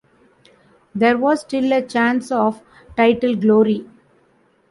There was still a chance of title glory.